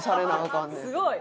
すごい！